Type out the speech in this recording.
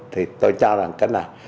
thì tôi cho rằng cái này